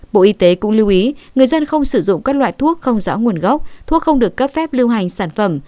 bộ y tế cũng lưu ý người dân không sử dụng các loại thuốc không rõ nguồn gốc thuốc không được cấp phép lưu hành sản phẩm